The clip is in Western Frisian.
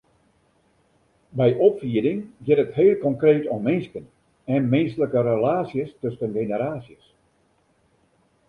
By opfieding giet it heel konkreet om minsken en minsklike relaasjes tusken generaasjes.